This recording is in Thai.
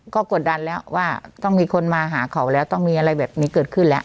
ก็กดดันแล้วว่าต้องมีคนมาหาเขาแล้วต้องมีอะไรแบบนี้เกิดขึ้นแล้ว